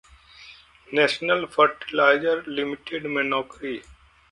national Fertilizer Limited में नौकरी